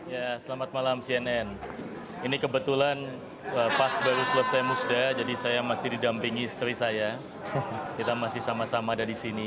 ya selamat malam cnn ini kebetulan pas baru selesai musda jadi saya masih didampingi istri saya kita masih sama sama ada di sini